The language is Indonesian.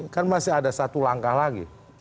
kan masih ada satu langkah lagi